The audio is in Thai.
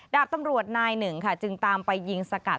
ดาบตำรวจนายหนึ่งค่ะจึงตามไปยิงสกัด